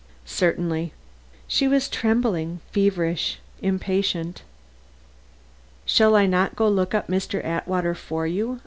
"Certainly." She was trembling, feverish, impatient. "Shall I not look up Mr. Atwater for you?"